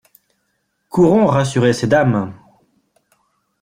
Courons rassurer ces dames.